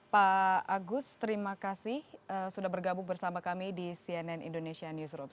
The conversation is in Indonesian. pak agus terima kasih sudah bergabung bersama kami di cnn indonesia newsroom